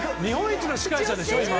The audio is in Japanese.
日本一の司会者でしょ？